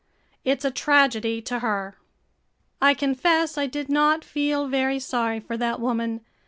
It 's a tragedy to her." I confess I did not feel very sorry for that woman.